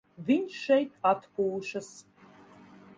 Viņš šeit atpūšas.